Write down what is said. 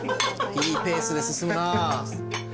いいペースで進むな。